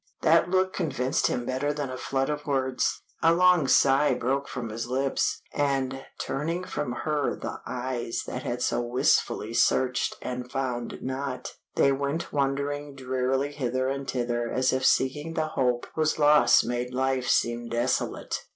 That look convinced him better than a flood of words. A long sigh broke from his lips, and, turning from her the eyes that had so wistfully searched and found not, they went wandering drearily hither and thither as if seeking the hope whose loss made life seem desolate.